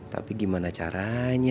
tapi gimana caranya